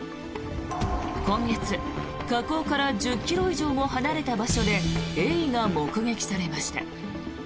今月、河口から１０ｋｍ以上も離れた場所でエイが目撃されました。